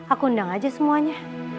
aku undang aja semuanya